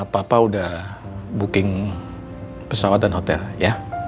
papa udah booking pesawat dan hotel ya